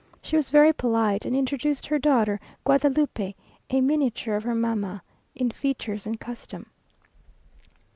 She was very polite, and introduced her daughter Guadalupe, a miniature of her mamma, in features and costume.